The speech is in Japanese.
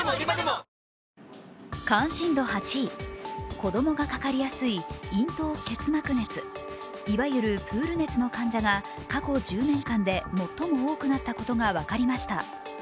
子供がかかりやすい咽頭結膜熱、いわゆるプール熱の患者が過去１０年間で最も多くなったことが分かりました。